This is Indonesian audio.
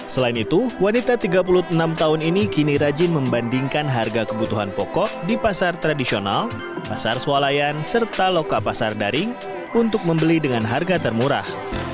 selain itu wanita tiga puluh enam tahun ini kini rajin membandingkan harga kebutuhan pokok di pasar tradisional pasar sualayan serta loka pasar daring untuk membeli dengan harga termurah